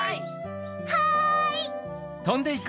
はい！